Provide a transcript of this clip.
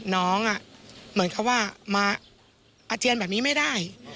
น้องเหมือนเขาว่ามาอาเจียนแบบนี้ไม่ได้